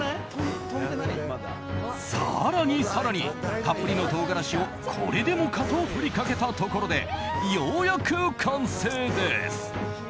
更に更に、たっぷりの唐辛子をこれでもかと振りかけたところでようやく完成です。